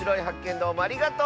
どうもありがとう！